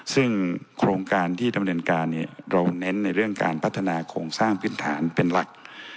ซึ่งโครงการที่ดำเนินการเราเน้นในเรื่องการพัฒนาโครงสร้างพื้นฐานเป็นหลัก